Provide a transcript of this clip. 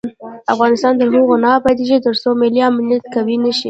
افغانستان تر هغو نه ابادیږي، ترڅو ملي امنیت قوي نشي.